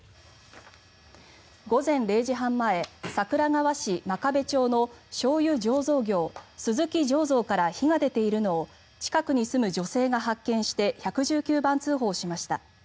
午前０時半前、桜川市真壁町のしょうゆ醸造業、鈴木醸造から火が出ているのを近くに住む女性が発見して１１９番通報しました。